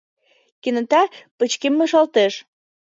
Кенета пычкемышалтеш.